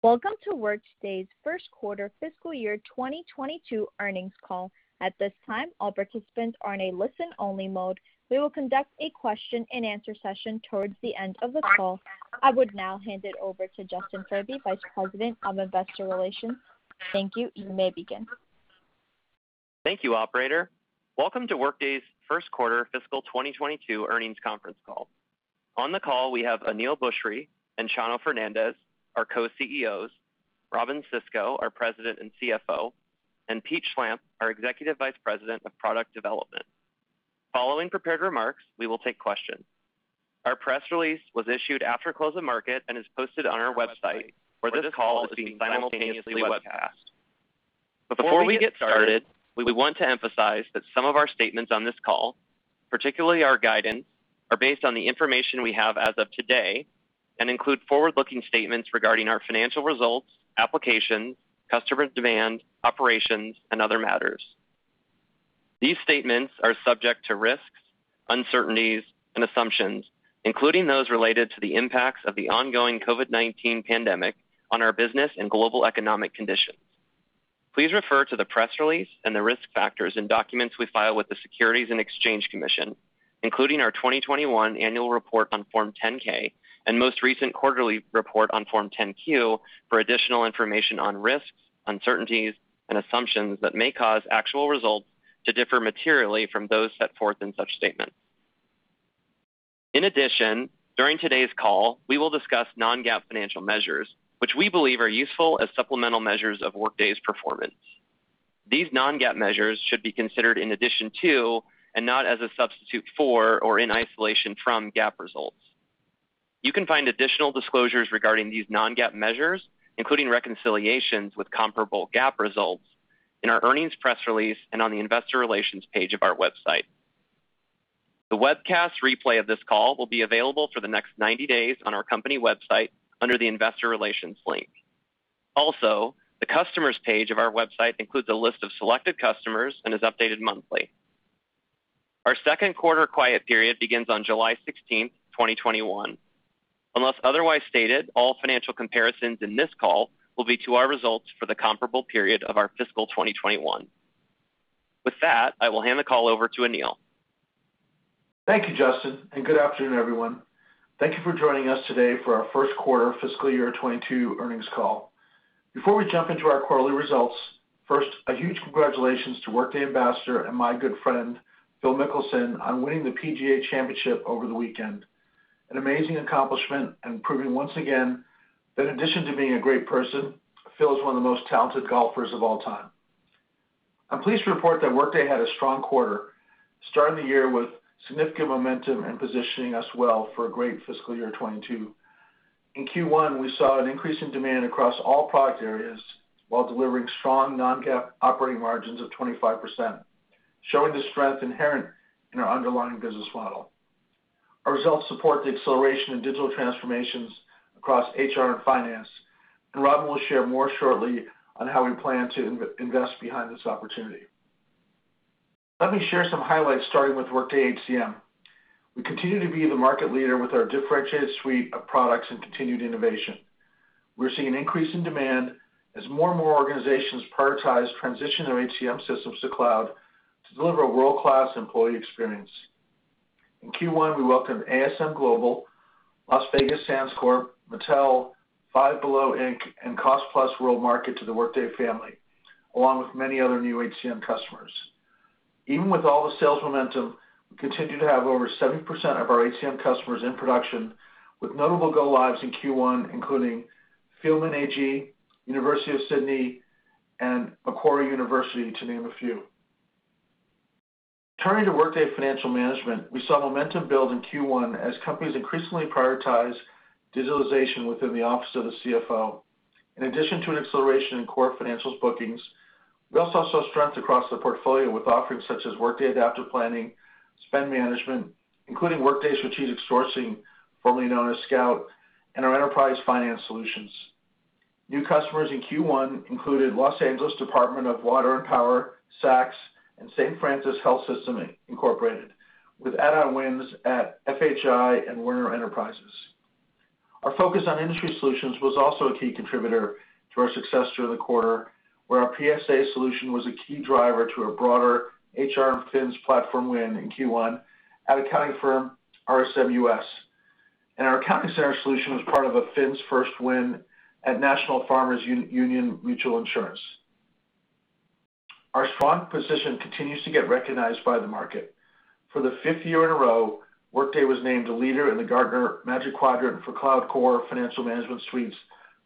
Welcome to Workday's first quarter fiscal year 2022 earnings call. At this time, all participants are in a listen-only mode. We will conduct a question-and-answer session towards the end of the call. I would now hand it over to Justin Furby, Vice President on Investor Relations. Thank you. You may begin. Thank you, operator. Welcome to Workday's first quarter fiscal 2022 earnings conference call. On the call, we have Aneel Bhusri and Chano Fernandez, our Co-CEOs, Robynne Sisco, our President and CFO, and Pete Schlampp, our Executive Vice President of Product Development. Following prepared remarks, we will take questions. Our press release was issued after the close of market and is posted on our website where this call is being simultaneously webcast. Before we get started, we want to emphasize that some of our statements on this call, particularly our guidance, are based on the information we have as of today and include forward-looking statements regarding our financial results, applications, customer demands, operations, and other matters. These statements are subject to risks, uncertainties, and assumptions, including those related to the impacts of the ongoing COVID-19 pandemic on our business and global economic conditions. Please refer to the press release and the risk factors in documents we file with the Securities and Exchange Commission, including our 2021 annual report on Form 10-K and most recent quarterly report on Form 10-Q for additional information on risks, uncertainties, and assumptions that may cause actual results to differ materially from those set forth in such statements. In addition, during today's call, we will discuss non-GAAP financial measures, which we believe are useful as supplemental measures of Workday's performance. These non-GAAP measures should be considered in addition to and not as a substitute for or in isolation from GAAP results. You can find additional disclosures regarding these non-GAAP measures, including reconciliations with comparable GAAP results, in our earnings press release and on the investor relations page of our website. The webcast replay of this call will be available for the next 90 days on our company website under the investor relations link. Also, the customers page of our website includes a list of selected customers and is updated monthly. Our second quarter quiet period begins on July 16th, 2021. Unless otherwise stated, all financial comparisons in this call will be to our results for the comparable period of our fiscal 2021. With that, I will hand the call over to Aneel. Thank you, Justin. Good afternoon, everyone. Thank you for joining us today for our first quarter fiscal year 2022 earnings call. Before we jump into our quarterly results, first, a huge congratulations to Workday ambassador and my good friend, Phil Mickelson, on winning the PGA Championship over the weekend. An amazing accomplishment and proving once again that in addition to being a great person, Phil is one of the most talented golfers of all time. I'm pleased to report that Workday had a strong quarter, starting the year with significant momentum and positioning us well for a great fiscal year 2022. In Q1, we saw an increase in demand across all product areas while delivering strong non-GAAP operating margins of 25%, showing the strength inherent in our underlying business model. Our results support the acceleration of digital transformations across HR and finance. Robynne will share more shortly on how we plan to invest behind this opportunity. Let me share some highlights, starting with Workday HCM. We continue to be the market leader with our differentiated suite of products and continued innovation. We're seeing an increase in demand as more and more organizations prioritize transition of HCM systems to cloud to deliver a world-class employee experience. In Q1, we welcomed ASM Global, Las Vegas Sands Corp, Mattel, Five Below Inc., and Cost Plus World Market to the Workday family, along with many other new HCM customers. Even with all the sales momentum, we continue to have over 70% of our HCM customers in production, with notable go-lives in Q1, including Fielmann AG, University of Sydney, and Macquarie University, to name a few. Turning to Workday Financial Management, we saw momentum build in Q1 as companies increasingly prioritize digitalization within the office of the CFO. In addition to an acceleration in core financials bookings, we also saw strength across the portfolio with offerings such as Workday Adaptive Planning, Spend Management, including Workday Strategic Sourcing, formerly known as Scout, and our Enterprise Finance solutions. New customers in Q1 included Los Angeles Department of Water and Power, Saks, and Saint Francis Health System Incorporated, with add-on wins at FHI and Werner Enterprises. Our focus on industry solutions was also a key contributor to our success during the quarter, where our PSA solution was a key driver to a broader HR and FINS platform win in Q1 at accounting firm RSM US. Our Workday Accounting Center solution was part of the FINS first win at National Farmers' Union Mutual Insurance. Our strong position continues to get recognized by the market. For the fifth year in a row, Workday was named a leader in the Gartner Magic Quadrant for Cloud Core Financial Management Suites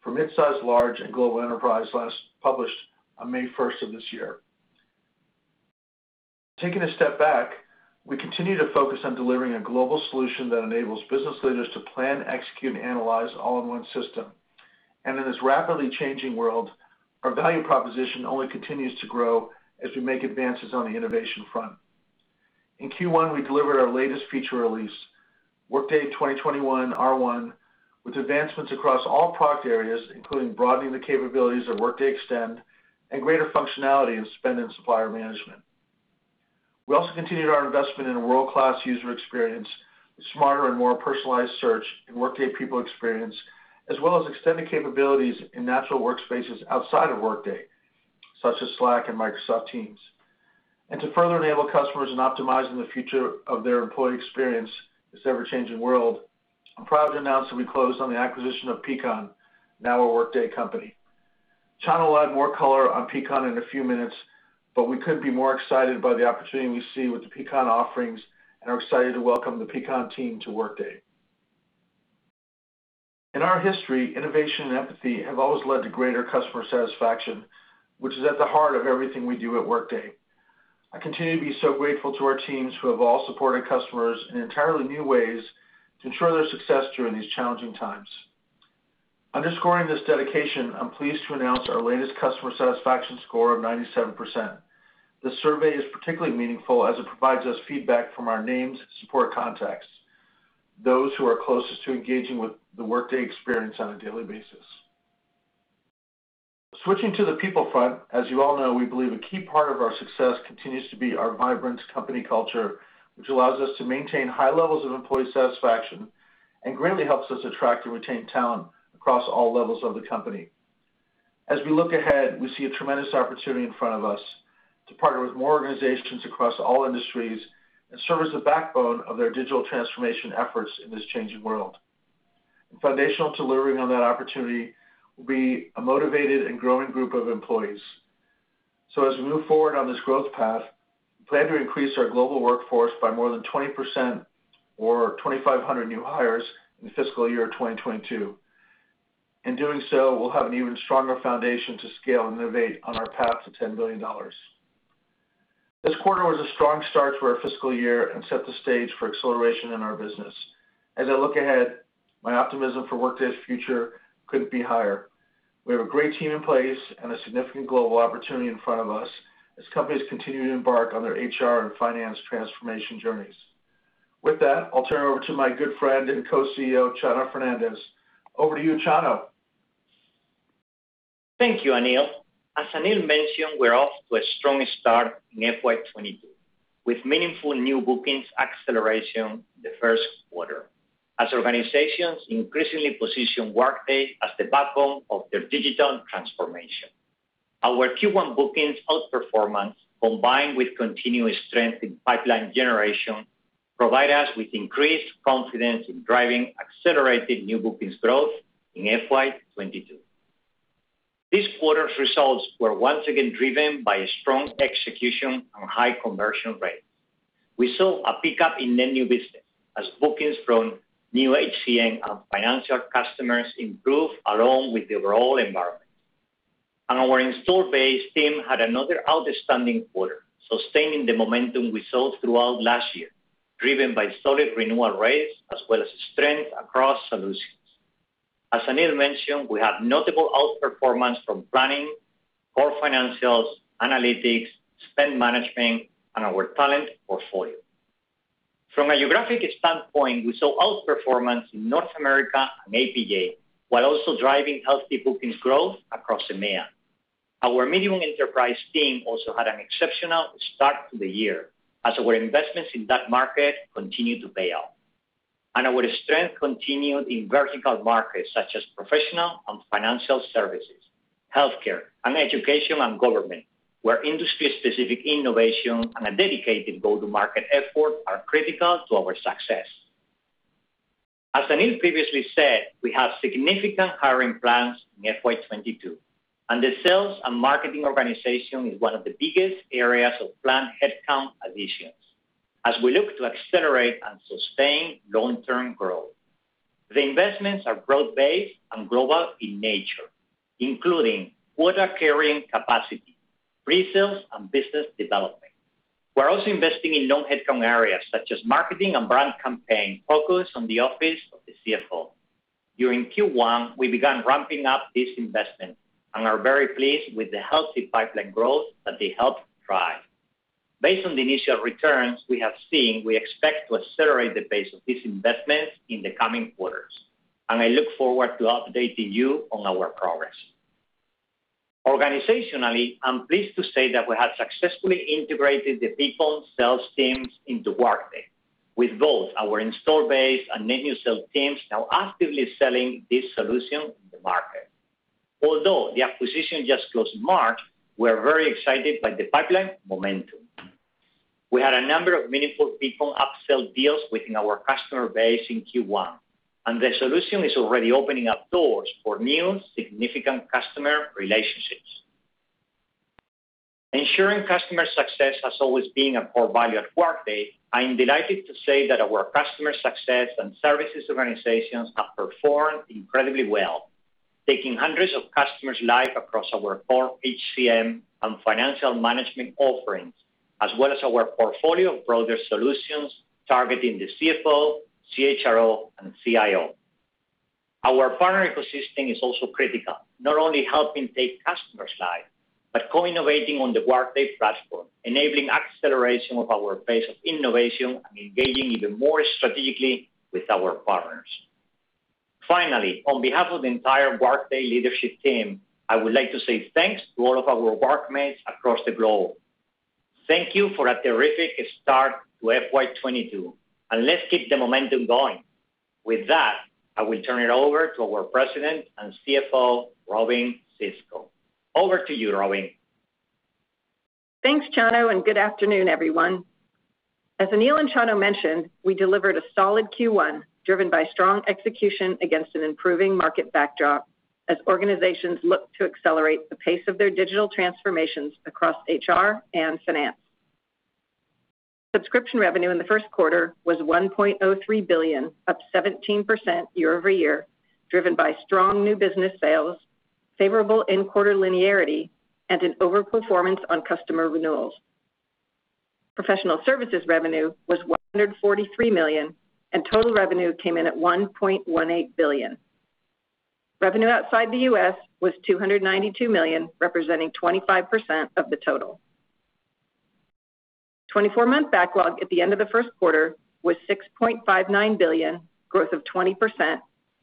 for midsize, large, and global enterprise clients, published on May 1st of this year. Taking a step back, we continue to focus on delivering a global solution that enables business leaders to plan, execute, and analyze all in one system. In this rapidly changing world, our value proposition only continues to grow as we make advances on the innovation front. In Q1, we delivered our latest feature release, Workday 2021 R1, with advancements across all product areas, including broadening the capabilities of Workday Extend and greater functionality in Spend Management and supplier management. We also continued our investment in a world-class user experience, smarter and more personalized search in Workday People Experience, as well as extended capabilities in natural workspaces outside of Workday, such as Slack and Microsoft Teams. To further enable customers in optimizing the future of their employee experience in this ever-changing world, I'm proud to announce that we closed on the acquisition of Peakon, now a Workday company. Chano will add more color on Peakon in a few minutes, but we couldn't be more excited by the opportunity we see with the Peakon offerings and are excited to welcome the Peakon team to Workday. In our history, innovation and empathy have always led to greater customer satisfaction, which is at the heart of everything we do at Workday. I continue to be so grateful to our teams who have all supported customers in entirely new ways to ensure their success during these challenging times. Underscoring this dedication, I'm pleased to announce our latest customer satisfaction score of 97%. This survey is particularly meaningful as it provides us feedback from our named support contacts, those who are closest to engaging with the Workday experience on a daily basis. Switching to the people front, as you all know, we believe a key part of our success continues to be our vibrant company culture, which allows us to maintain high levels of employee satisfaction and greatly helps us attract and retain talent across all levels of the company. As we look ahead, we see a tremendous opportunity in front of us to partner with more organizations across all industries and serve as the backbone of their digital transformation efforts in this changing world. Foundational to delivering on that opportunity will be a motivated and growing group of employees. As we move forward on this growth path, we plan to increase our global workforce by more than 20% or 2,500 new hires in fiscal year 2022. In doing so, we'll have an even stronger foundation to scale and innovate on our path to $10 billion. This quarter was a strong start to our fiscal year and set the stage for acceleration in our business. As I look ahead, my optimism for Workday's future couldn't be higher. We have a great team in place and a significant global opportunity in front of us as companies continue to embark on their HR and finance transformation journeys. With that, I'll turn it over to my good friend and Co-CEO, Chano Fernandez. Over to you, Chano. Thank you, Aneel. As Aneel mentioned, we're off to a strong start in FY 2022, with meaningful new bookings acceleration in the first quarter, as organizations increasingly position Workday as the backbone of their digital transformation. Our Q1 bookings outperformance, combined with continuous strength in pipeline generation, provide us with increased confidence in driving accelerated new bookings growth in FY 2022. This quarter's results were once again driven by strong execution and high conversion rates. We saw a pickup in net new business as bookings from new HCM and financial customers improved along with the overall environment. Our installed base team had another outstanding quarter, sustaining the momentum we saw throughout last year, driven by solid renewal rates as well as strength across solutions. As Aneel mentioned, we have notable outperformance from planning, core financials, analytics, Spend Management, and our talent portfolio. From a geographic standpoint, we saw outperformance in North America and APJ, while also driving healthy bookings growth across EMEA. Our medium enterprise team also had an exceptional start to the year as our investments in that market continue to pay off. Our strength continued in vertical markets such as professional and financial services, healthcare, and education and government, where industry-specific innovation and a dedicated go-to-market effort are critical to our success. As Aneel previously said, we have significant hiring plans in FY 2022, and the sales and marketing organization is one of the biggest areas of planned headcount additions as we look to accelerate and sustain long-term growth. The investments are broad-based and global in nature, including order carrying capacity, resales, and business development. We're also investing in non-headcount areas such as marketing and brand campaign focused on the office of the CFO. During Q1, we began ramping up these investments and are very pleased with the healthy pipeline growth that they helped drive. Based on the initial returns we have seen, we expect to accelerate the pace of these investments in the coming quarters, and I look forward to updating you on our progress. Organizationally, I'm pleased to say that we have successfully integrated the Peakon sales teams into Workday, with both our installed base and net new sales teams now actively selling this solution in the market. Although the acquisition just closed in March, we're very excited by the pipeline momentum. We had a number of meaningful Peakon upsell deals within our customer base in Q1, and the solution is already opening up doors for new significant customer relationships. Ensuring customer success has always been a core value at Workday. I am delighted to say that our customer success and services organizations have performed incredibly well, taking hundreds of customers live across our core HCM and financial management offerings, as well as our portfolio of broader solutions targeting the CFO, CHRO, and CIO. Our partner ecosystem is also critical, not only helping take customers live, but co-innovating on the Workday platform, enabling acceleration of our pace of innovation, and engaging even more strategically with our partners. Finally, on behalf of the entire Workday leadership team, I would like to say thanks to all of our Workmates across the globe. Thank you for a terrific start to FY 2022, and let's keep the momentum going. With that, I will turn it over to our President and CFO, Robynne Sisco. Over to you, Robynne. Thanks, Chano, and good afternoon, everyone. As Aneel and Chano mentioned, we delivered a solid Q1, driven by strong execution against an improving market backdrop as organizations look to accelerate the pace of their digital transformations across HR and finance. Subscription revenue in the first quarter was $1.03 billion, up 17% year-over-year, driven by strong new business sales, favorable in-quarter linearity, and an over-performance on customer renewals. Professional services revenue was $143 million, and total revenue came in at $1.18 billion. Revenue outside the U.S. was $292 million, representing 25% of the total. 24-month backlog at the end of the first quarter was $6.59 billion, growth of 20%,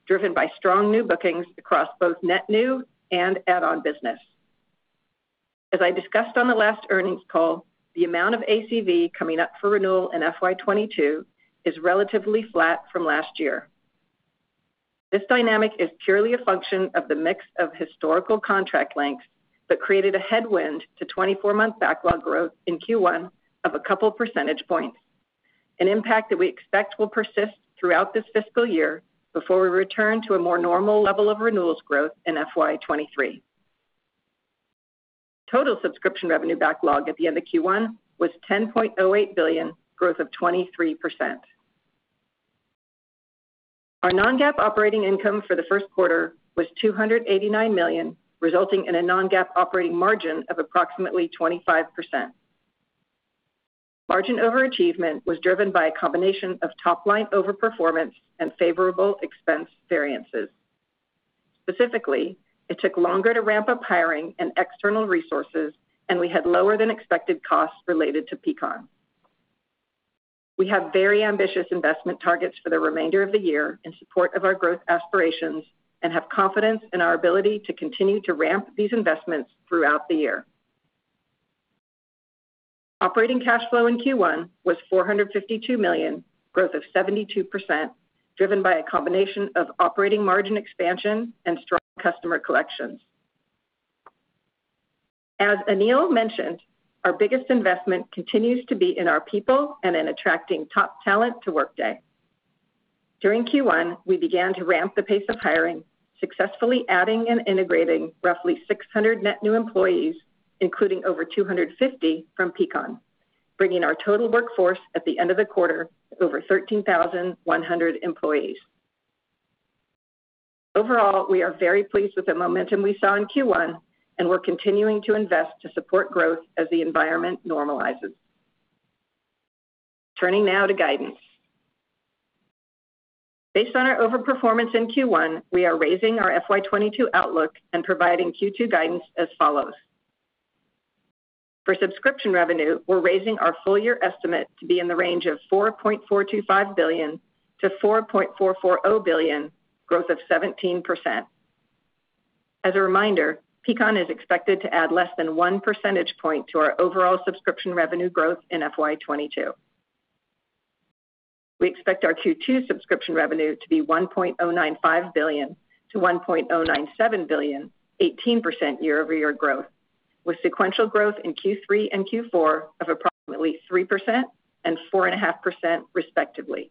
driven by strong new bookings across both net new and add-on business. As I discussed on the last earnings call, the amount of ACV coming up for renewal in FY 2022 is relatively flat from last year. This dynamic is purely a function of the mix of historical contract lengths that created a headwind to 24-month backlog growth in Q1 of a couple percentage points, an impact that we expect will persist throughout this fiscal year before we return to a more normal level of renewals growth in FY 2023. Total subscription revenue backlog at the end of Q1 was $10.08 billion, growth of 23%. Our non-GAAP operating income for the first quarter was $289 million, resulting in a non-GAAP operating margin of approximately 25%. Margin overachievement was driven by a combination of top-line overperformance and favorable expense variances. Specifically, it took longer to ramp up hiring and external resources, and we had lower than expected costs related to Peakon. We have very ambitious investment targets for the remainder of the year in support of our growth aspirations and have confidence in our ability to continue to ramp these investments throughout the year. Operating cash flow in Q1 was $452 million, growth of 72%, driven by a combination of operating margin expansion and strong customer collections. Aneel mentioned, our biggest investment continues to be in our people and in attracting top talent to Workday. During Q1, we began to ramp the pace of hiring, successfully adding and integrating roughly 600 net new employees, including over 250 from Peakon, bringing our total workforce at the end of the quarter to over 13,100 employees. Overall, we are very pleased with the momentum we saw in Q1, we're continuing to invest to support growth as the environment normalizes. Turning now to guidance. Based on our overperformance in Q1, we are raising our FY 2022 outlook and providing Q2 guidance as follows. For subscription revenue, we're raising our full-year estimate to be in the range of $4.425 billion-$4.440 billion, growth of 17%. As a reminder, Peakon is expected to add less than one percentage point to our overall subscription revenue growth in FY 2022. We expect our Q2 subscription revenue to be $1.095 billion-$1.097 billion, 18% year-over-year growth, with sequential growth in Q3 and Q4 of approximately 3% and 4.5% respectively.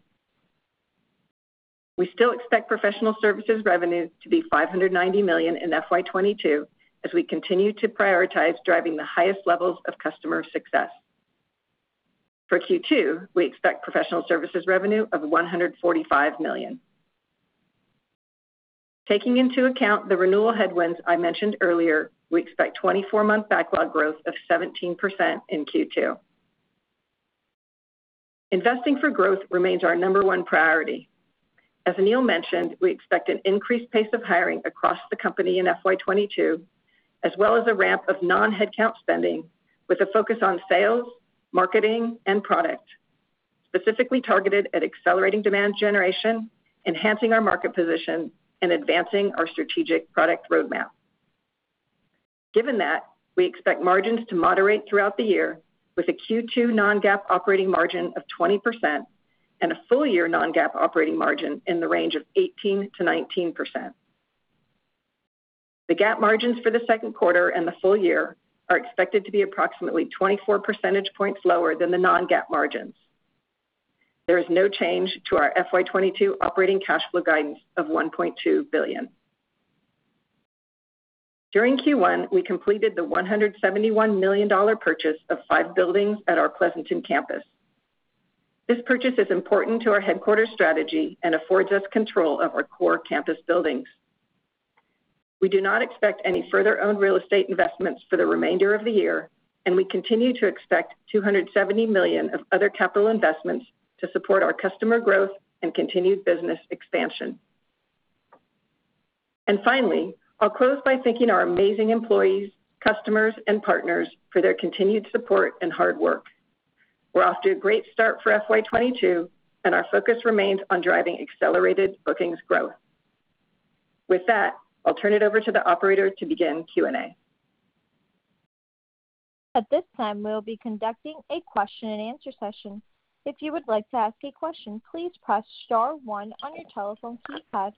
We still expect professional services revenue to be $590 million in FY 2022 as we continue to prioritize driving the highest levels of customer success. For Q2, we expect professional services revenue of $145 million. Taking into account the renewal headwinds I mentioned earlier, we expect 24-month backlog growth of 17% in Q2. Investing for growth remains our number one priority. As Aneel mentioned, we expect an increased pace of hiring across the company in FY 2022, as well as a ramp of non-headcount spending with a focus on sales, marketing, and product, specifically targeted at accelerating demand generation, enhancing our market position, and advancing our strategic product roadmap. Given that, we expect margins to moderate throughout the year with a Q2 non-GAAP operating margin of 20% and a full-year non-GAAP operating margin in the range of 18%-19%. The GAAP margins for the second quarter and the full year are expected to be approximately 24 percentage points lower than the non-GAAP margins. There is no change to our FY 2022 operating cash flow guidance of $1.2 billion. During Q1, we completed the $171 million purchase of five buildings at our Pleasanton campus. This purchase is important to our headquarters strategy and affords us control of our core campus buildings. We do not expect any further owned real estate investments for the remainder of the year, and we continue to expect $270 million of other capital investments to support our customer growth and continued business expansion. Finally, I'll close by thanking our amazing employees, customers, and partners for their continued support and hard work. We're off to a great start for FY 2022, and our focus remains on driving accelerated bookings growth. With that, I'll turn it over to the operator to begin Q and A. At this time, we'll be conducting a question-and-answer session. If you would like to ask a question, please press star one on your telephone keypad.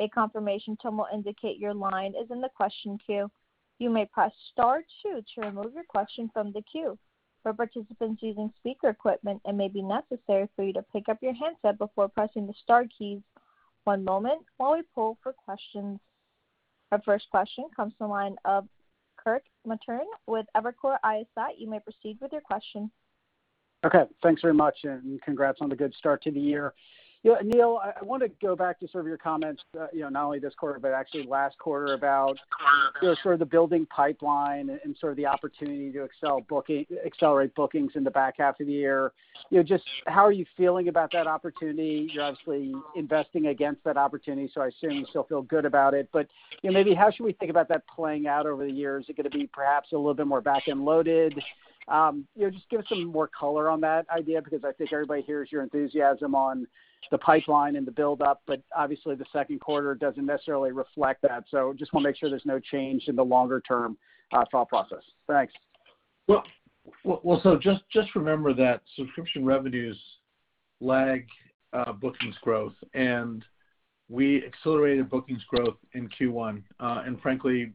A confirmation tone will indicate your line is in the question queue. You may press star two to remove your question from the queue. For participants choosing speaker equipment and maybe not necessarily for you to pick up your handset before pressing the star key. One moment while you poll for question. Our first question comes from the line of Kirk Materne with Evercore ISI. You may proceed with your question. Okay. Thanks very much, and congrats on the good start to the year. Aneel, I want to go back to some of your comments, not only this quarter, but actually last quarter about the building pipeline and the opportunity to accelerate bookings in the back half of the year. How are you feeling about that opportunity? You're obviously investing against that opportunity, so I assume you still feel good about it, but maybe how should we think about that playing out over the years? Is it going to be perhaps a little bit more back-end loaded? Give some more color on that idea, because I think everybody hears your enthusiasm on the pipeline and the buildup, but obviously the second quarter doesn't necessarily reflect that. Just want to make sure there's no change to the longer-term thought process. Thanks. Well, just remember that subscription revenues lag bookings growth, and we accelerated bookings growth in Q1, and frankly,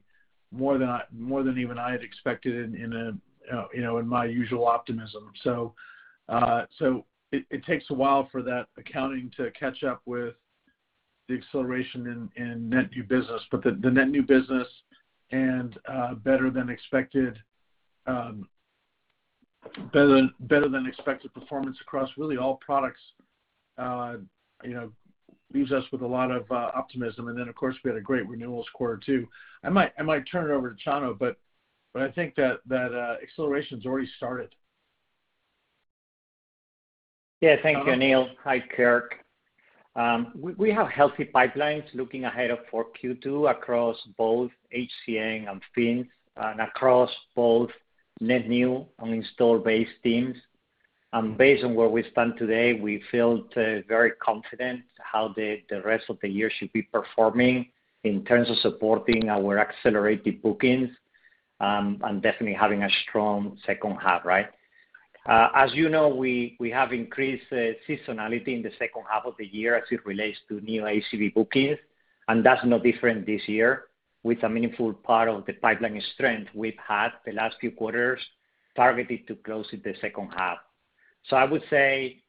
more than even I had expected in my usual optimism. It takes a while for that accounting to catch up with the acceleration in net new business, but the net new business and better than expected performance across really all products leaves us with a lot of optimism. Of course, we had a great renewal score too. I might turn it over to Chano, but I think that acceleration's already started. Yeah, thank you, Aneel. Hi, Kirk. We have healthy pipelines looking ahead for Q2 across both HCM and FINS, and across both net new and install base teams. Based on where we stand today, we feel very confident how the rest of the year should be performing in terms of supporting our accelerated bookings, and definitely having a strong second half. As you know, we have increased seasonality in the second half of the year as it relates to new ACV bookings, that's no different this year with a meaningful part of the pipeline strength we've had the last few quarters targeted to close in the second half. I would say,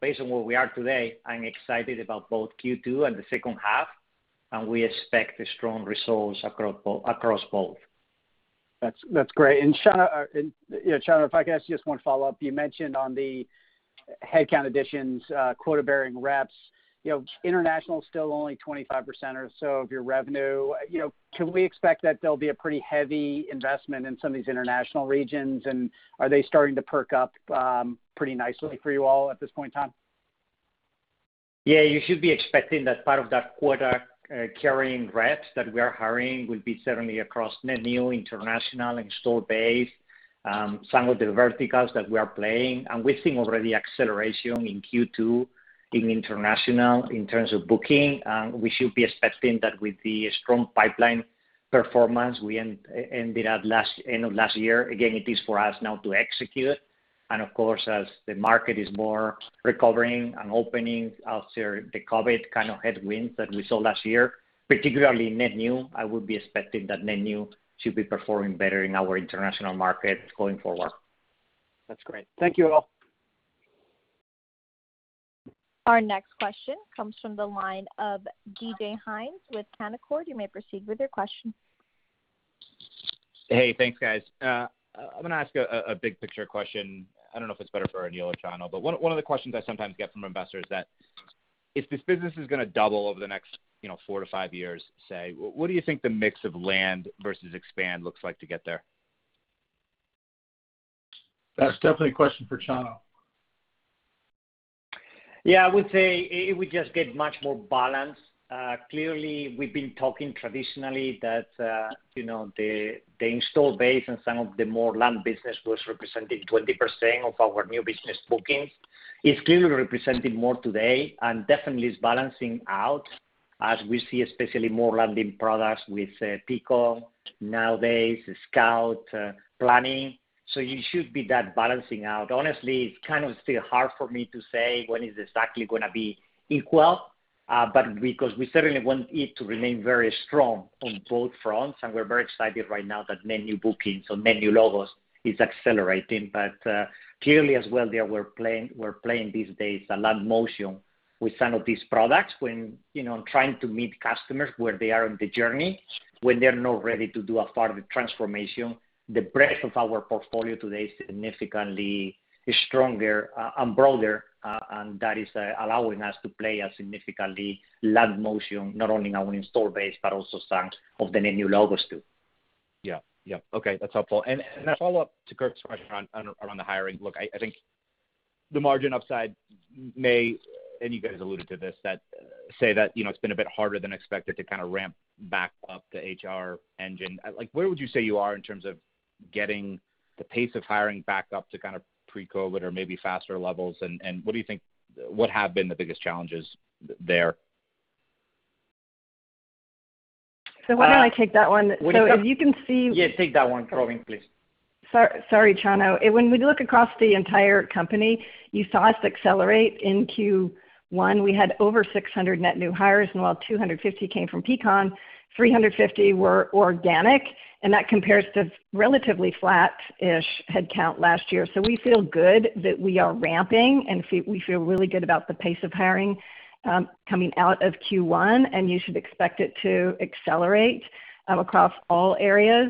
based on where we are today, I'm excited about both Q2 and the second half, and we expect strong results across both. That's great. Chano, if I can ask you just one follow-up. You mentioned on the headcount additions, quota-bearing reps, international is still only 25% or so of your revenue. Can we expect that there'll be a pretty heavy investment in some of these international regions? Are they starting to perk up pretty nicely for you all at this point in time? Yeah, you should be expecting that part of that quota-carrying reps that we are hiring will be certainly across net new, international, install base, some of the verticals that we are playing. We're seeing already acceleration in Q2 in international in terms of booking. We should be expecting that with the strong pipeline performance we ended at end of last year. Again, it is for us now to execute. Of course, as the market is more recovering and opening after the COVID-19 kind of headwinds that we saw last year, particularly net new, I would be expecting that net new should be performing better in our international market going forward. That's great. Thank you all. Our next question comes from the line of DJ Hynes with Canaccord. You may proceed with your question. Hey, thanks, guys. I'm going to ask a big picture question. I don't know if it's better for Aneel or Chano. One of the questions I sometimes get from investors is that if this business is going to double over the next four to five years, say, what do you think the mix of land versus expand looks like to get there? That's definitely a question for Chano. Yeah, I would say it will just get much more balanced. Clearly, we've been talking traditionally that the install base and some of the more land business was representing 20% of our new business bookings. It's clearly representing more today and definitely is balancing out as we see especially more landing products with Peakon nowadays, Scout, Planning. It should be that balancing out. Honestly, it's kind of still hard for me to say when it's exactly going to be equal, but because we certainly want it to remain very strong on both fronts, and we're very excited right now that net new bookings or net new logos is accelerating. Clearly as well there, we're playing these days a land motion with some of these products when trying to meet customers where they are in the journey when they're not ready to do a part of the transformation. The breadth of our portfolio today significantly is stronger and broader, and that is allowing us to play a significantly landing motion, not only in our install base, but also some of the net new logos too. Yeah. Okay. That's helpful. A follow-up to Kirk's question around the hiring. Look, I think, the margin upside may, and you guys alluded to this, that say that it's been a bit harder than expected to ramp back up the HR engine. Where would you say you are in terms of getting the pace of hiring back up to pre-COVID or maybe faster levels? What do you think would have been the biggest challenges there? Why don't I take that one? Yeah, take that one, Robynne, please. Sorry, Chano. When we look across the entire company, you saw us accelerate in Q1. We had over 600 net new hires, and while 250 came from Peakon, 350 were organic, and that compares to relatively flat-ish headcount last year. We feel good that we are ramping, and we feel really good about the pace of hiring coming out of Q1, and you should expect it to accelerate across all areas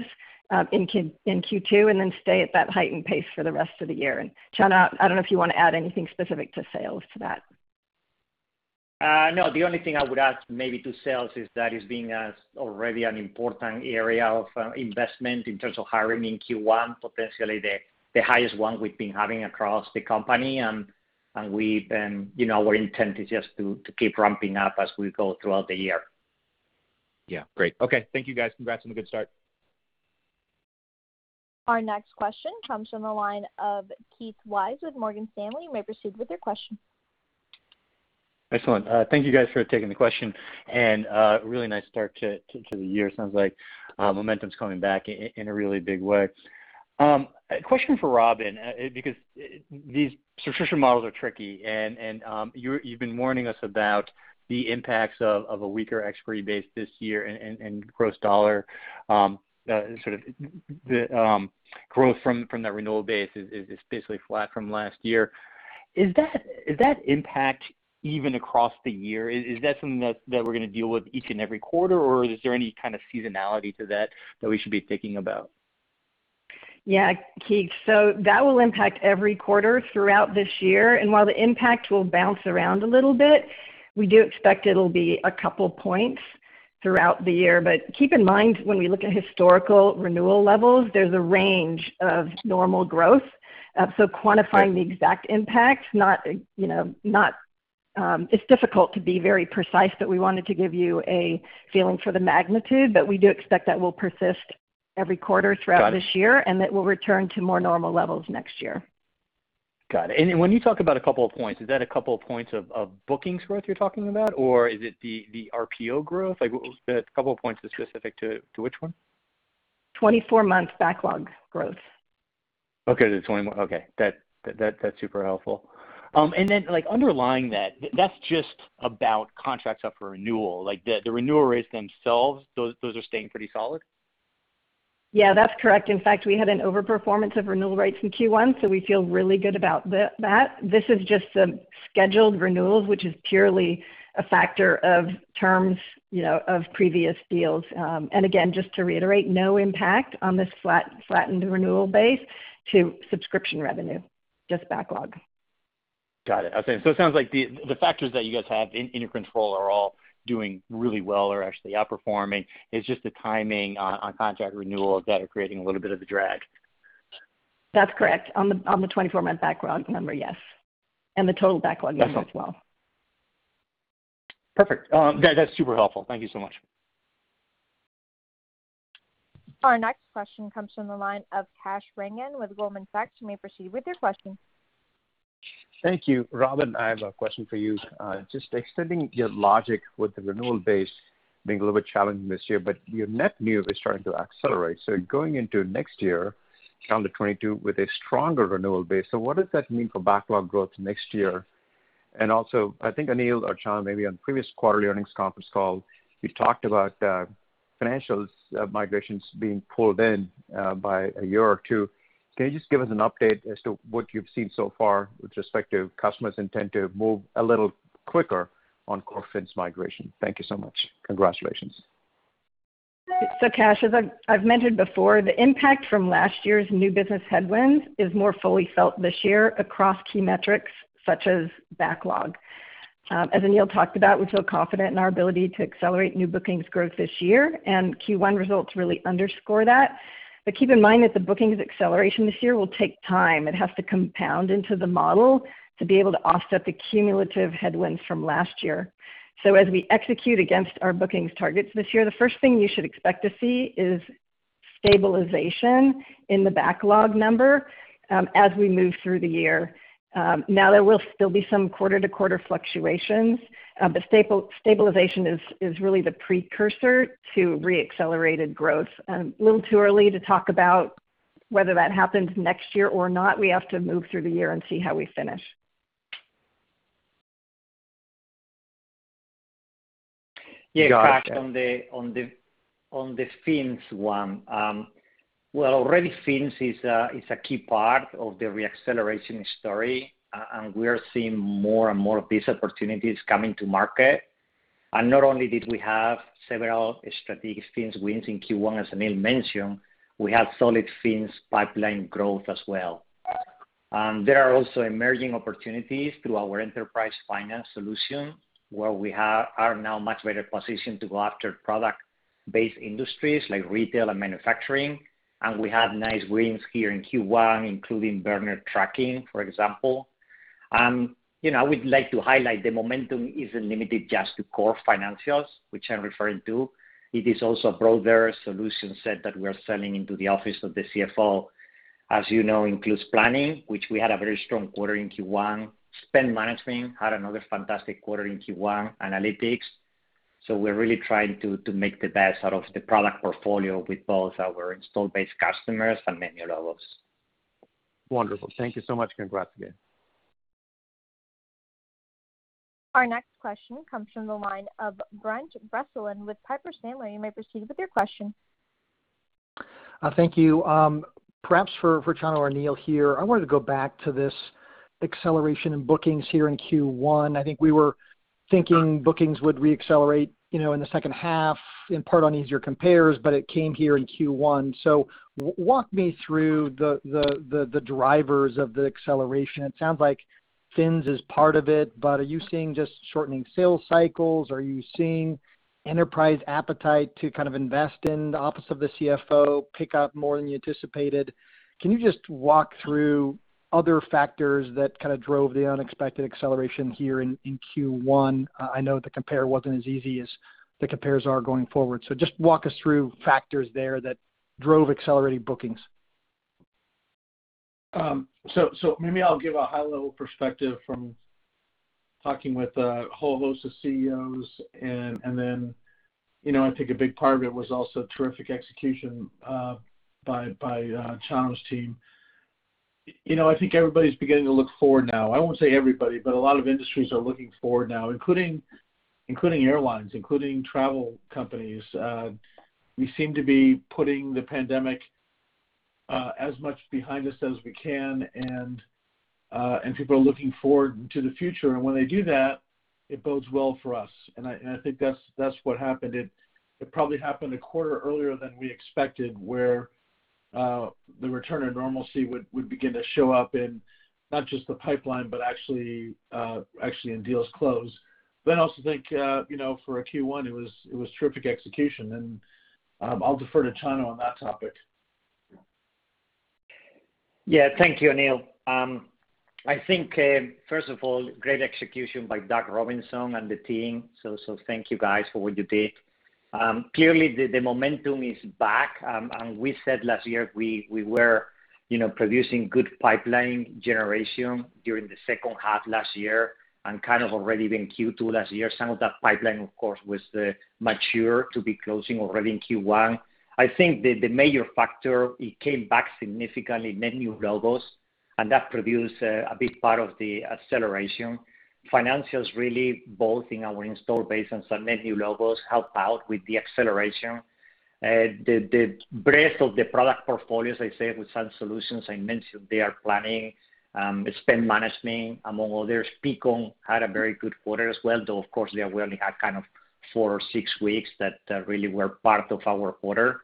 in Q2 and then stay at that heightened pace for the rest of the year. Chano, I don't know if you want to add anything specific to sales to that. No, the only thing I would add maybe to sales is that is being as already an important area of investment in terms of hiring in Q1, potentially the highest one we've been having across the company. Our intent is just to keep ramping up as we go throughout the year. Yeah. Great. Okay. Thank you, guys. Congrats on a good start. Our next question comes from the line of Keith Weiss with Morgan Stanley. You may proceed with your question. Excellent. Thank you guys for taking the question and really nice start to the year. Sounds like momentum's coming back in a really big way. Question for Robynne, because these subscription models are tricky, and you've been warning us about the impacts of a weaker renewal base this year and gross dollar, sort of the growth from the renewal base is basically flat from last year. Is that impact even across the year? Is that something that we're going to deal with each and every quarter, or is there any kind of seasonality to that that we should be thinking about? Yeah, Keith. That will impact every quarter throughout this year, and while the impact will bounce around a little bit, we do expect it'll be a couple points throughout the year. Keep in mind, when we look at historical renewal levels, there's a range of normal growth. Quantifying the exact impact, it's difficult to be very precise, but we wanted to give you a feeling for the magnitude. We do expect that will persist every quarter throughout this year, and that we'll return to more normal levels next year. Got it. When you talk about a couple of points, is that a couple of points of bookings growth you're talking about, or is it the RPO growth? The couple points is specific to which one? 24-month backlog growth. Okay, the 21. Okay. That's super helpful. Underlying that's just about contracts up for renewal, like the renewal rates themselves, those are staying pretty solid? Yeah, that's correct. In fact, we had an over-performance of renewal rates in Q1, so we feel really good about that. This is just the scheduled renewals, which is purely a factor of terms of previous deals. Again, just to reiterate, no impact on the flattened renewal base to subscription revenue, just backlog. Got it. Okay. It sounds like the factors that you guys have in your control are all doing really well, are actually outperforming. It's just the timing on contract renewals that are creating a little bit of the drag. That's correct. On the 24-month backlog number, yes. The total backlog number as well. Perfect. That's super helpful. Thank you so much. Our next question comes from the line of Kash Rangan with Goldman Sachs. You may proceed with your question. Thank you. Robynne, I have a question for you. Just extending your logic with the renewal base being a little bit challenging this year, but your net new is starting to accelerate. Going into next year, calendar 2022, with a stronger renewal base. What does that mean for backlog growth next year? Also, I think Aneel or Chano, maybe on previous quarter earnings conference call, you talked about financials migrations being pulled in by a year or two. Can you just give us an update as to what you've seen so far with respect to customers' intent to move a little quicker on core FINS migration? Thank you so much. Congratulations. Kash, as I've mentioned before, the impact from last year's new business headwinds is more fully felt this year across key metrics such as backlog. As Aneel talked about, we feel confident in our ability to accelerate new bookings growth this year, and Q1 results really underscore that. Keep in mind that the bookings acceleration this year will take time. It has to compound into the model to be able to offset the cumulative headwinds from last year. As we execute against our bookings targets this year, the first thing you should expect to see is stabilization in the backlog number as we move through the year. Now, there will still be some quarter-to-quarter fluctuations, but stabilization is really the precursor to re-accelerated growth. A little too early to talk about whether that happens next year or not. We have to move through the year and see how we finish. Gotcha. Kash, on the FINS one. Well, already FINS is a key part of the re-acceleration story, and we are seeing more and more of these opportunities coming to market. Not only did we have several strategic FINS wins in Q1, as Aneel mentioned, we have solid FINS pipeline growth as well. There are also emerging opportunities to our Enterprise Finance solution, where we are now much better positioned to go after product-based industries like retail and manufacturing. We had nice wins here in Q1, including Werner Trucking, for example. We'd like to highlight the momentum isn't limited just to core financials, which I'm referring to. It is also a broader solution set that we are selling into the office of the CFO. As you know, includes planning, which we had a very strong quarter in Q1. Spend Management had another fantastic quarter in Q1, analytics. We're really trying to make the best out of the product portfolio with both our installed base customers and many logos. Wonderful. Thank you so much, Miguel. Again. Our next question comes from the line of Brent Thill with Piper Sandler. You may proceed with your question. Thank you. Perhaps for Chano or Aneel here, I wanted to go back to this acceleration in bookings here in Q1. I think we were thinking bookings would re-accelerate in the second half, in part on easier compares, but it came here in Q1. Walk me through the drivers of the acceleration. It sounds like FINS is part of it, are you seeing just shortening sales cycles? Are you seeing enterprise appetite to invest in the office of the CFO pick up more than you anticipated? Can you just walk through other factors that drove the unexpected acceleration here in Q1? I know the compare wasn't as easy as the compares are going forward. Just walk us through factors there that drove accelerated bookings. Maybe I'll give a high-level perspective from talking with a whole host of CEOs and then I think a big part of it was also terrific execution by Chano's team. I think everybody's beginning to look forward now. I won't say everybody, but a lot of industries are looking forward now, including airlines, including travel companies. We seem to be putting the pandemic as much behind us as we can, and people are looking forward to the future. When they do that, it bodes well for us. I think that's what happened. It probably happened a quarter earlier than we expected, where the return to normalcy would begin to show up in not just the pipeline, but actually in deals closed. I also think for Q1, it was terrific execution, and I'll defer to Chano on that topic. Yeah. Thank you, Aneel. I think, first of all, great execution by Doug Robinson and the team. Thank you, guys, for what you did. Clearly, the momentum is back, and we said last year we were producing good pipeline generation during the second half last year and kind of already in Q2 last year. Some of that pipeline, of course, was mature to be closing already in Q1. I think that the major factor, it came back significantly in net new logos, and that produced a big part of the acceleration. Financials really both in our install base and some net new logos help out with the acceleration. The breadth of the product portfolios, as I said, with some solutions I mentioned, they are Planning, Spend Management, among others. Peakon had a very good quarter as well, though of course they only had four or six weeks that really were part of our quarter.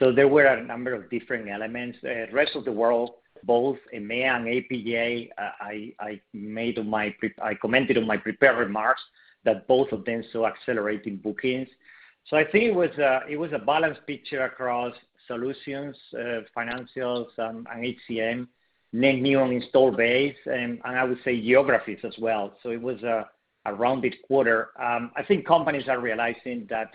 There were a number of different elements. The rest of the world, both EMEA and APJ, I commented in my prepared remarks that both of them saw accelerating bookings. I think it was a balanced picture across solutions, financials, and HCM, net new install base, and I would say geographies as well. It was a rounded quarter. I think companies are realizing that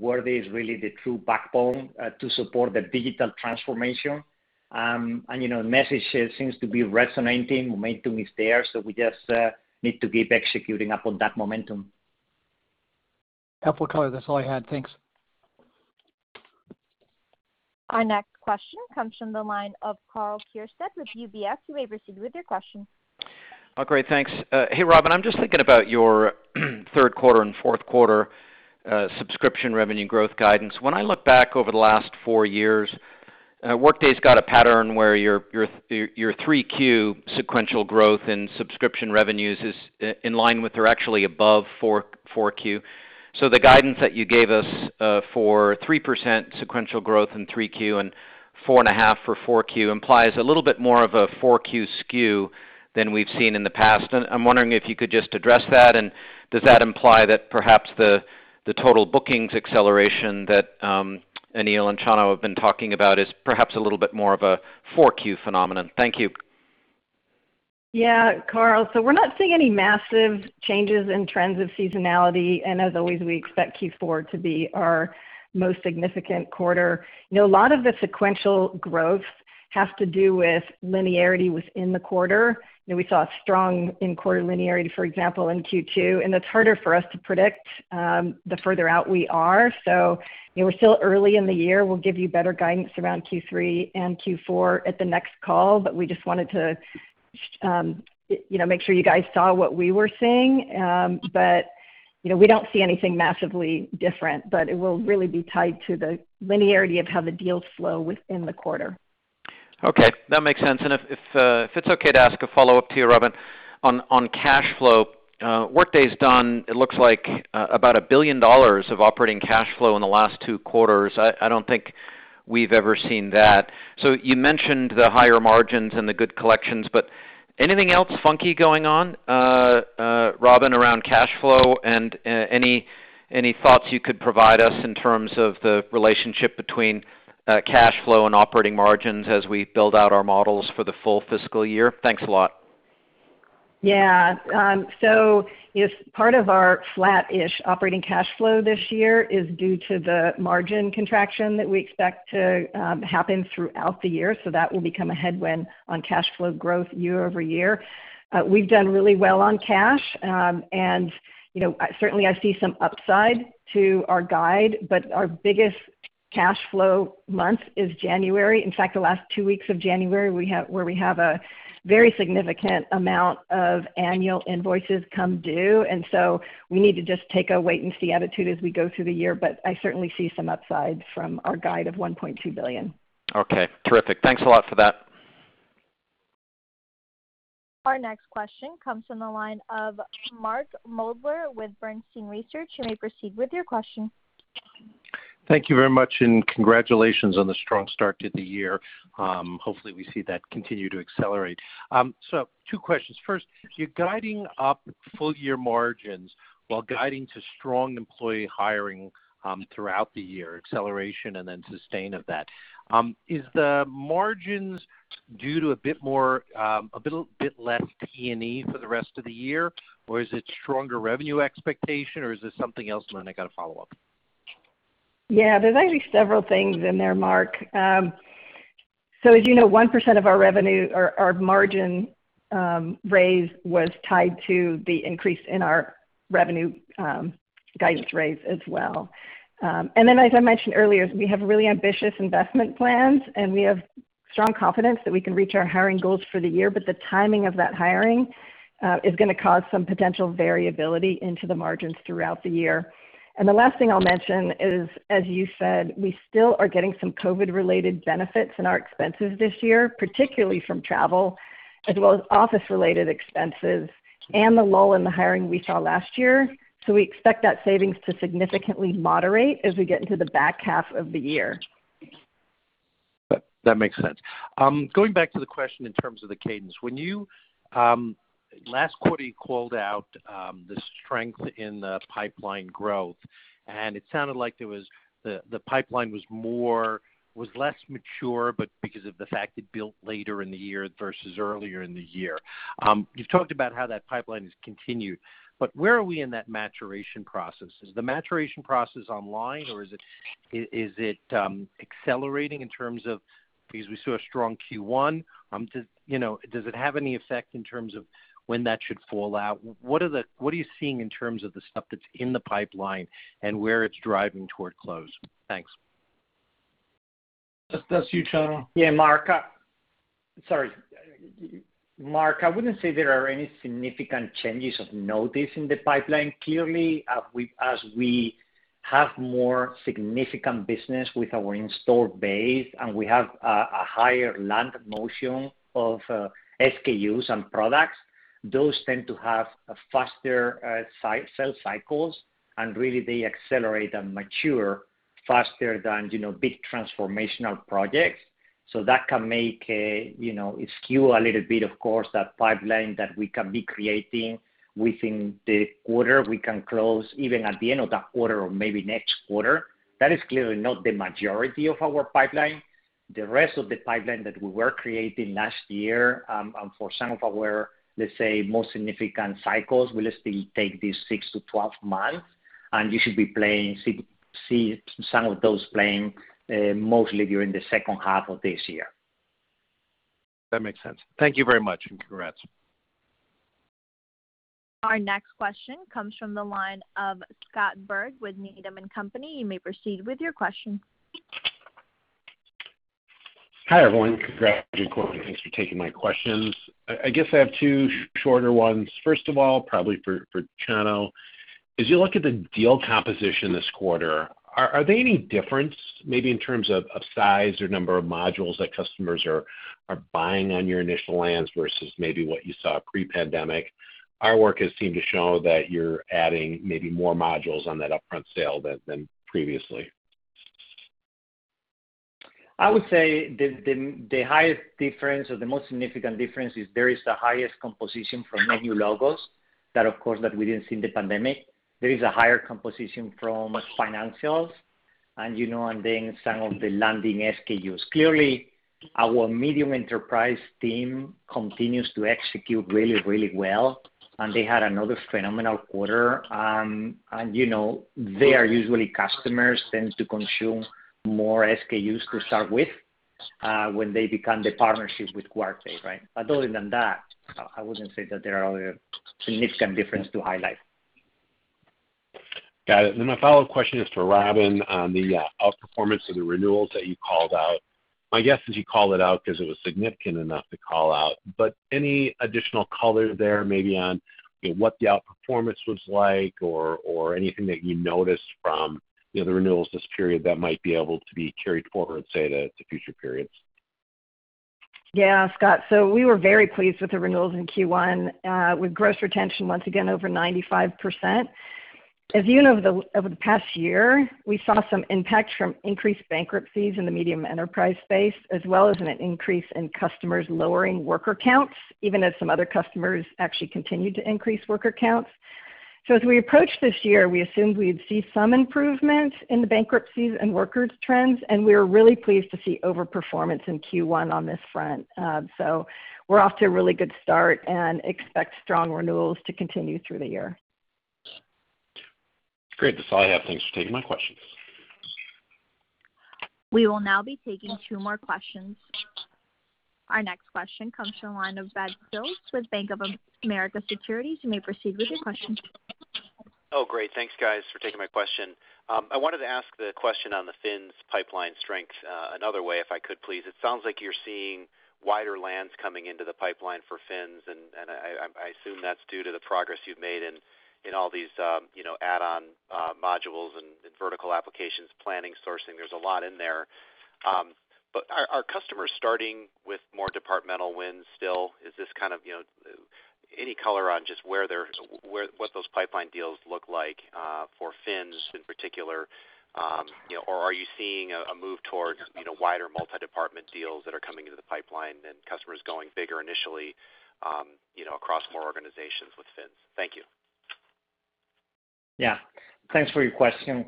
Workday is really the true backbone to support the digital transformation. The message here seems to be resonating. Momentum is there. We just need to keep executing upon that momentum. Helpful color. That's all I had. Thanks. Our next question comes from the line of Karl Keirstead with UBS. You may proceed with your question. Great. Thanks. Hey, Robynne, I'm just thinking about your third quarter and fourth quarter subscription revenue growth guidance. When I look back over the last four years, Workday's got a pattern where your 3Q sequential growth in subscription revenues is in line with or actually above 4Q. The guidance that you gave us for 3% sequential growth in 3Q and 4.5% for 4Q implies a little bit more of a 4Q skew than we've seen in the past. I'm wondering if you could just address that, and does that imply that perhaps the total bookings acceleration that Aneel and Chano have been talking about is perhaps a little bit more of a 4Q phenomenon? Thank you. Yeah. Karl, we're not seeing any massive changes in trends of seasonality. As always, we expect Q4 to be our most significant quarter. A lot of the sequential growth has to do with linearity within the quarter. We saw strong in-quarter linearity, for example, in Q2, and it's harder for us to predict the further out we are. We're still early in the year. We'll give you better guidance around Q3 and Q4 at the next call, but we just wanted to make sure you guys saw what we were seeing. We don't see anything massively different, but it will really be tied to the linearity of how the deals flow within the quarter. Okay. That makes sense. If it's okay to ask a follow-up here, Robynne, on cash flow. Workday's done, it looks like about $1 billion of operating cash flow in the last two quarters. I don't think-We've ever seen that. You mentioned the higher margins and the good collections, but anything else funky going on, Robynne, around cash flow? Any thoughts you could provide us in terms of the relationship between cash flow and operating margins as we build out our models for the full fiscal year? Thanks a lot. Yeah. Part of our flat-ish operating cash flow this year is due to the margin contraction that we expect to happen throughout the year. That will become a headwind on cash flow growth year-over-year. We've done really well on cash. Certainly I see some upside to our guide, but our biggest cash flow month is January. In fact, the last two weeks of January where we have a very significant amount of annual invoices come due. We need to just take a wait and see attitude as we go through the year. I certainly see some upside from our guide of $1.2 billion. Okay, terrific. Thanks a lot for that. Our next question comes from the line of Mark Moerdler with Bernstein Research. You may proceed with your question. Thank you very much. Congratulations on the strong start to the year. Hopefully, we see that continue to accelerate. Two questions. First, you're guiding up full year margins while guiding to strong employee hiring throughout the year, acceleration and then sustain of that. Is the margins due to a bit less T&E for the rest of the year, or is it stronger revenue expectation, or is it something else? I got a follow-up. Yeah, there's actually several things in there, Mark. As you know, 1% of our revenue, our margin raise was tied to the increase in our revenue guidance raise as well. As I mentioned earlier, we have really ambitious investment plans, and we have strong confidence that we can reach our hiring goals for the year. The timing of that hiring is going to cause some potential variability into the margins throughout the year. The last thing I'll mention is, as you said, we still are getting some COVID-related benefits in our expenses this year, particularly from travel, as well as office-related expenses and the lull in the hiring we saw last year. We expect that savings to significantly moderate as we get into the back half of the year. That makes sense. Going back to the question in terms of the cadence. Last quarter, you called out the strength in the pipeline growth. It sounded like the pipeline was less mature because of the fact it built later in the year versus earlier in the year. You talked about how that pipeline has continued. Where are we in that maturation process? Is the maturation process online or is it accelerating in terms of because we saw a strong Q1? Does it have any effect in terms of when that should fall out? What are you seeing in terms of the stuff that's in the pipeline and where it's driving toward close? Thanks. That's to you, Chano. Yeah, Mark. I wouldn't say there are any significant changes of notice in the pipeline. Clearly, as we have more significant business with our in-store base and we have a higher land motion of SKUs and products, those tend to have faster sell cycles, and really they accelerate and mature faster than big transformational projects. That can make it skew a little bit, of course, that pipeline that we can be creating within the quarter, we can close even at the end of that quarter or maybe next quarter. That is clearly not the majority of our pipeline. The rest of the pipeline that we were creating last year, and for some of our, let's say, most significant cycles, will still take this 6-12 months, and you should see some of those playing mostly during the second half of this year. That makes sense. Thank you very much and congrats. Our next question comes from the line of Scott Berg with Needham & Company. You may proceed with your question. Hi, everyone. Congrats and welcome. Thanks for taking my questions. I just have two shorter ones. First of all, probably for Chano. As you look at the deal composition this quarter, are they any different maybe in terms of size or number of modules that customers are buying on your initial wins versus maybe what you saw pre-pandemic? Our work has seemed to show that you're adding maybe more modules on that upfront sale than previously. I would say the highest difference or the most significant difference is there is the highest composition from new logos. That, of course, that we didn't see in the pandemic. There is a higher composition from financials and then some of the landing SKUs. Clearly, our medium enterprise team continues to execute really well, and they had another phenomenal quarter. Their usually customers tend to consume more SKUs to start with, when they begin the partnership with Workday. Other than that, I wouldn't say that there are significant differences to highlight. Got it. My follow-up question is for Robynne on the outperformance of the renewals that you called out. My guess is you called it out because it was significant enough to call out, but any additional color there maybe on what the outperformance was like or anything that you noticed from the other renewals this period that might be able to be carried forward, say, to future periods? Scott. We were very pleased with the renewals in Q1, with gross retention once again over 95%. At the end of the past year, we saw some impacts from increased bankruptcies in the medium enterprise space, as well as an increase in customers lowering worker counts, even as some other customers actually continued to increase worker counts. As we approached this year, we assumed we'd see some improvement in the bankruptcies and workers trends, and we are really pleased to see over-performance in Q1 on this front. We're off to a really good start and expect strong renewals to continue through the year. Great to follow up. Thanks for taking my questions. We will now be taking two more questions. Our next question comes from the line of Brad Sills with Bank of America Securities. You may proceed with your question. Oh, great. Thanks, guys, for taking my question. I wanted to ask the question on the FINS pipeline strength another way, if I could please. It sounds like you're seeing wider lands coming into the pipeline for FINS. I assume that's due to the progress you've made in all these add-on modules and vertical applications planning sourcing. There's a lot in there. Are customers starting with more departmental wins still? Any color on just what those pipeline deals look like for FINS in particular? Are you seeing a move towards wider multi-department deals that are coming in the pipeline and customers going bigger initially across more organizations with FINS? Thank you. Thanks for your question.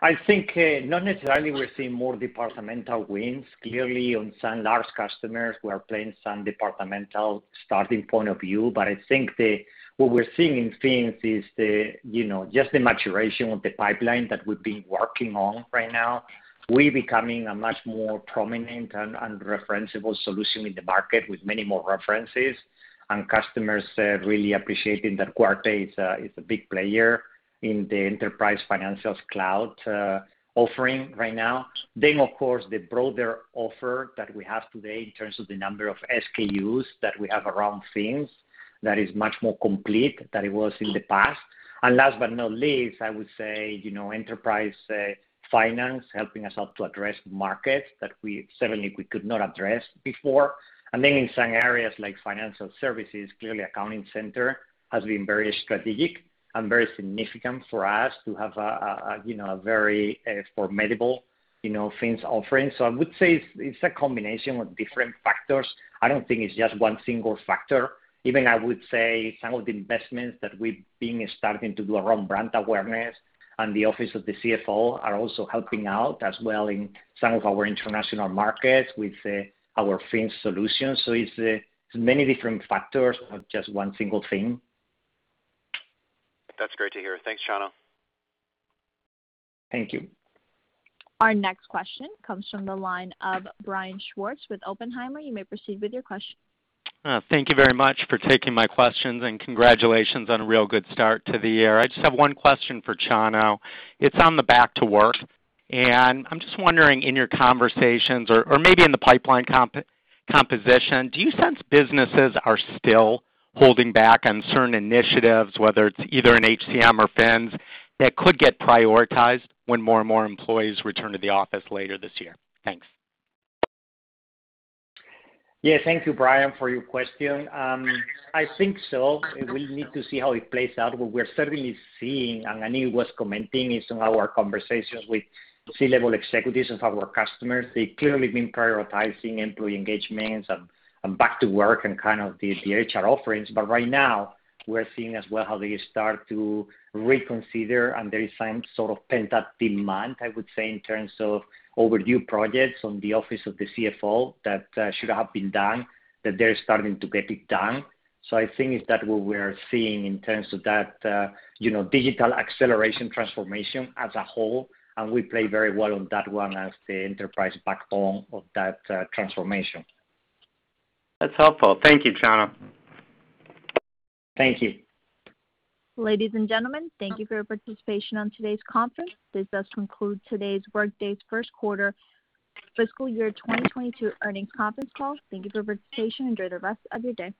Not necessarily we're seeing more departmental wins. Clearly, on some large customers, we are playing some departmental starting point of view. What we're seeing in FINS is just the maturation of the pipeline that we've been working on right now. We're becoming a much more prominent and referenceable solution in the market with many more references, and customers really appreciating that Workday is a big player in the enterprise financials cloud offering right now. Of course, the broader offer that we have today in terms of the number of SKUs that we have around FINS, that is much more complete than it was in the past. Last but not least, Enterprise Finance helping us out to address markets that certainly we could not address before. In some areas like financial services, clearly Accounting Center has been very strategic and very significant for us to have a very formidable FINS offering. I would say it's a combination of different factors. I don't think it's just one single factor. Even I would say some of the investments that we've been starting to do around brand awareness and the office of the CFO are also helping out as well in some of our international markets with our FINS solutions. It's many different factors, not just one single thing. That's great to hear. Thanks, Chano. Thank you. Our next question comes from the line of Brian Schwartz with Oppenheimer. You may proceed with your question. Thank you very much for taking my questions and congratulations on a real good start to the year. I just have one question for Chano. It's on the back to work, and I'm just wondering in your conversations or maybe in the pipeline composition, do you sense businesses are still holding back on certain initiatives, whether it's either in HCM or FINS, that could get prioritized when more and more employees return to the office later this year? Thanks. Yeah. Thank you, Brian, for your question. I think so. We need to see how it plays out, but we're certainly seeing, and Aneel was commenting in some of our conversations with C-level executives of our customers, they've clearly been prioritizing employee engagements and back to work and kind of the HR offerings. Right now, we're seeing as well how they start to reconsider and there is some sort of pent-up demand, I would say, in terms of overdue projects on the office of the CFO that should have been done, that they're starting to get it done. I think it's that what we are seeing in terms of that digital acceleration transformation as a whole, and we play very well on that one as the enterprise backbone of that transformation. That's helpful. Thank you, Chano. Thank you. Ladies and gentlemen, thank you for your participation on today's conference. This does conclude today's Workday's first quarter fiscal year 2022 earnings conference call. Thank you for your participation. Enjoy the rest of your day.